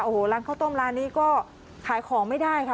โอ้โหร้านข้าวต้มร้านนี้ก็ขายของไม่ได้ค่ะ